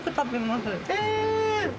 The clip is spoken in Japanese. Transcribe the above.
え。